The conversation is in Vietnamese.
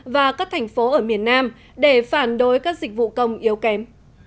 và các thành phố ở miền nam để phản đối các dịch vụ công yếu kém